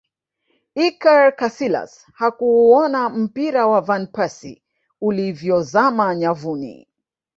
iker casilas hakuuona mpira wa van persie ulivyozama nyavuni